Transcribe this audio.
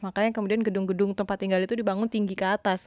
makanya kemudian gedung gedung tempat tinggal itu dibangun tinggi ke atas